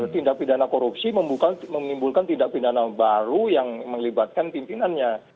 tindak pidana korupsi menimbulkan tindak pidana baru yang melibatkan pimpinannya